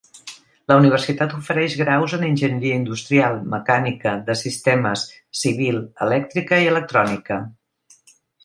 La universitat ofereix graus en enginyeria industrial, mecànica, de sistemes, civil, elèctrica i electrònica.